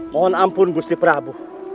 mohon ampun busti prabu